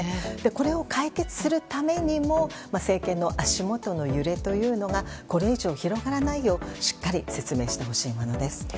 これを解決するためにも政権の足元の揺れというのがこれ以上広がらないようしっかり説明してほしいものです。